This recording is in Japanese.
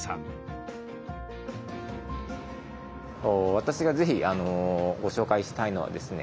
私が是非ご紹介したいのはですね